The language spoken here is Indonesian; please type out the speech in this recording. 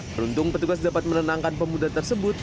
beruntung petugas dapat menenangkan pemuda tersebut